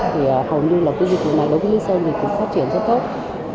thì hầu như là cái dịch vụ này đối với lý sơn thì cũng phát triển rất tốt